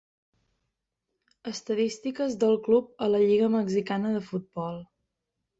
Estadístiques del club a la lliga mexicana de futbol.